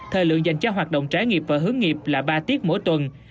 thời lượng dành cho hoạt động trải nghiệm và hướng nghiệp là ba tiết mỗi tuần